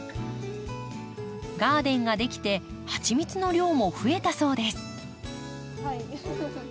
ガーデンが出来てハチミツの量も増えたそうです。